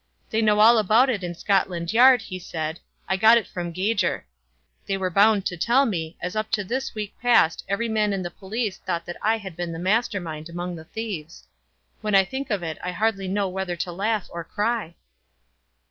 "They know all about it in Scotland Yard," he said; "I got it from Gager. They were bound to tell me, as up to this week past every man in the police thought that I had been the master mind among the thieves. When I think of it I hardly know whether to laugh or cry."